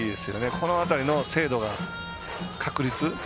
この辺りの精度が確立。